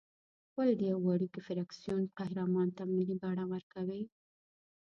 ولې د یوه وړوکي فرکسیون قهرمان ته ملي بڼه ورکوې.